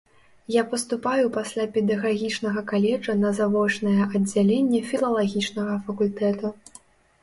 Я паступаю пасля педагагічнага каледжа на завочнае аддзяленне філалагічнага факультэта.